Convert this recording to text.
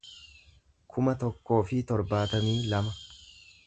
kuma tokkoo fi torbaatamii lama